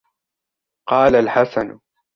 قَالَ الْحَسَنُ